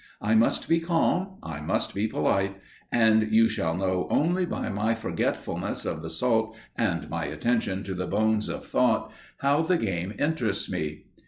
I must be calm, I must be polite and you shall know only by my forgetfulness of the salt and my attention to the bones of thought, how the game interests me.